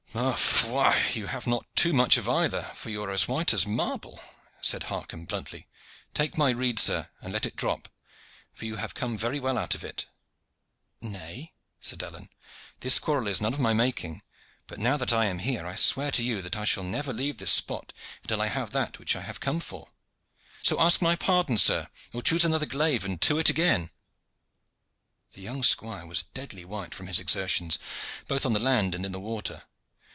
"Ma foi! you have not too much of either, for you are as white as marble," said Harcomb bluntly. "Take my rede, sir, and let it drop, for you have come very well out from it." "Nay," said Alleyne, "this quarrel is none of my making; but, now that I am here, I swear to you that I shall never leave this spot until I have that which I have come for: so ask my pardon, sir, or choose another glaive and to it again." The young squire was deadly white from his exertions, both on the land and in the water.